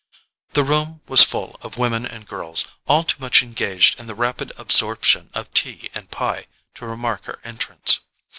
The room was full of women and girls, all too much engaged in the rapid absorption of tea and pie to remark her entrance.